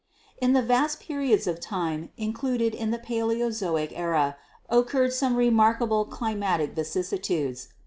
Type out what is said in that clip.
"In the vast periods of time included in the Paleozoic era occurred some remarkable climatic vicissitudes.